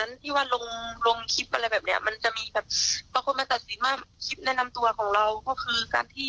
อะแค่แบบเนี่ยก็ต้องจัดการให้ที่ใช้ราวเนียะคนอื่น